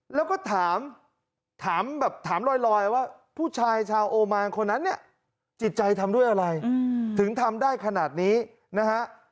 แล้วก็ถามถามแบบถามลอยว่าผู้ชายชาวโอมานคนนั้นเนี่ยจิตใจทำด้วยอะไรถึงทำได้ขนาดนี้นะฮะ